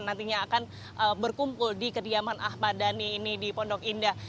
nantinya akan berkumpul di kediaman ahmad dhani ini di pondok indah